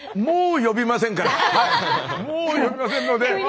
もう呼びませんので。